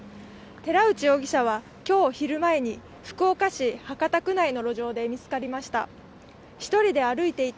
寺内容疑者は今日昼前に福岡市博多区内の路上で見つかりました。